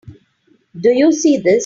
Do you see this?